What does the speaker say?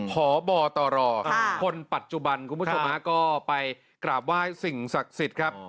พบตรคนปัจจุบันคุณผู้ชมฮะก็ไปกราบไหว้สิ่งศักดิ์สิทธิ์ครับ